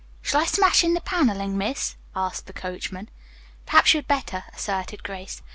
"Shall I smash in the paneling, miss?" asked the coachman. "Perhaps you'd better," assented Grace.